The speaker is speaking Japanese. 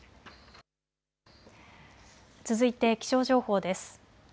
続いて気象情報です。